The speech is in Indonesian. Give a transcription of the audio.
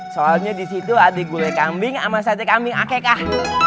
soalnya di situ ada gulai kambing sama sate kambing akekah